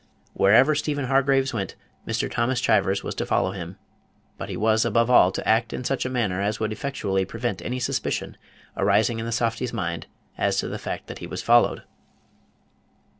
Wherever Stephen Hargraves went, Mr. Thomas Chivers was to follow him; but he was, above all, to act in such a manner as would effectually prevent any suspicion arising in the softy's mind as to the fact that he was followed.